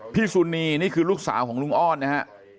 สุนีนี่คือลูกสาวของลุงอ้อนนะฮะ